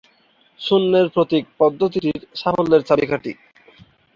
শূন্যের প্রতীক পদ্ধতিটির সাফল্যের চাবিকাঠি।